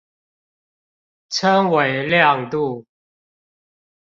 稱為亮度